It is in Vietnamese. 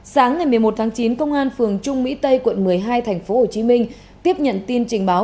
sáng ngày một mươi một tháng chín công an phường trung mỹ tây quận một mươi hai tp hcm tiếp nhận tin trình báo